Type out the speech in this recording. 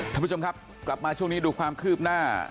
ท่านผู้ชมครับกลับมาช่วงนี้ดูความคืบหน้า